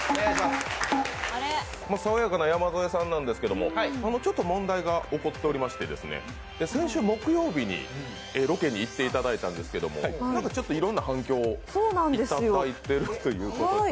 爽やかな山添さんなんですけど、ちょっと問題が起こっておりまして、先週木曜日に、ロケに行っていただいたんですけれどもいろんな反響をいただいているということで。